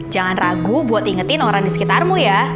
jangan ragu buat ingetin orang di sekitar mu ya